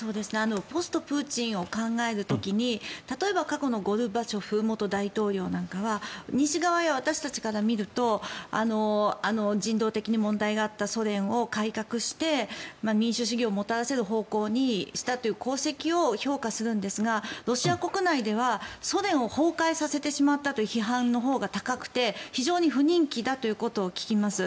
ポストプーチンを考える時に例えば過去のゴルバチョフ元大統領なんかは西側の私たちから見ると人道的に問題があったソ連を改革して民主主義をもたらせる方向にしたという功績を評価するんですがロシア国内ではソ連を崩壊させてしまったという批判のほうが高くて非常に不人気だということを聞きます。